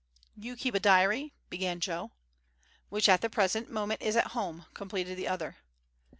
"You keep a diary " began Joe. "Which at the present moment is at home," completed the other.